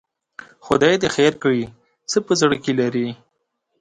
خدای دې خیر کړي، څه په زړه کې لري؟